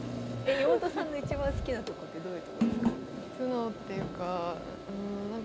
妹さんの一番好きなとこってどういうとこですか？